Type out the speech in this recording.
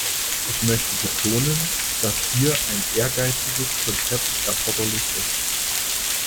Ich möchte betonen, dass hier ein ehrgeiziges Konzept erforderlich ist.